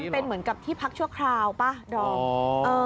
เป็นเหมือนกับที่พักชั่วคราวป่ะดอม